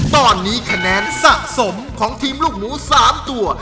ตอนนี้คะแนนสะสมของทีมลูกหนู๓ตัว